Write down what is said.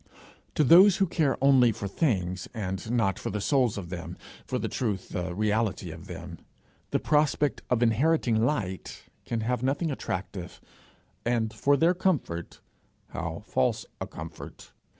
To those who care only for things, and not for the souls of them, for the truth, the reality of them, the prospect of inheriting light can have nothing attractive, and for their comfort how false a comfort!